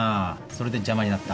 それで邪魔になった。